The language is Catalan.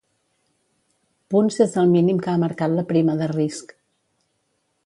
Punts és el mínim que ha marcat la prima de risc.